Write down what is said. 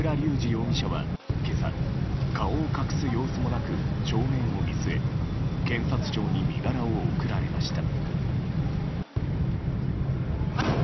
容疑者は今朝、顔を隠す様子もなく正面を見据え検察庁に身柄を送られました。